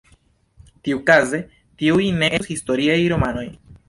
Tiukaze tiuj ne estus historiaj romanoj.